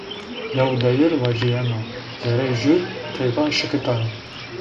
Yew deyır vaciyena, zerrey jü teyba şıkıta ra.